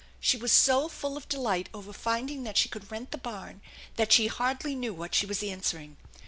She was so full of delight over finding that she could rent the barn that she hardly knew what she was answering.